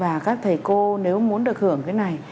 và các thầy cô nếu muốn được hưởng cái này